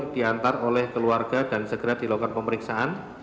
diantar oleh keluarga dan segera dilakukan pemeriksaan